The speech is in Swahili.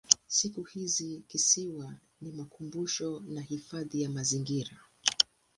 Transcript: Siku hizi kisiwa ni makumbusho na hifadhi ya mazingira.